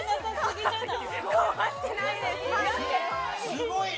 すごい。